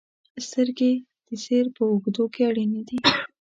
• سترګې د سیر په اوږدو کې اړینې دي.